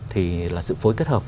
thì là sự phối kết hợp